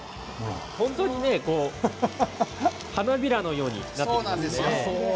本当にね花びらのようになってきますね。